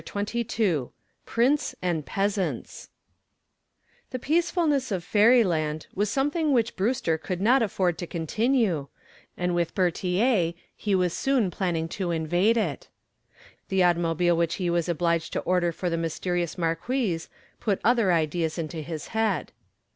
CHAPTER XXII PRINCE AND PEASANTS The peacefulness of fairyland was something which Brewster could not afford to continue, and with Bertier he was soon planning to invade it, The automobile which he was obliged to order for the mysterious marquise put other ideas into his head.